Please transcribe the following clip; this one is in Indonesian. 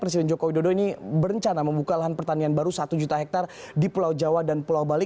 presiden joko widodo ini berencana membuka lahan pertanian baru satu juta hektare di pulau jawa dan pulau bali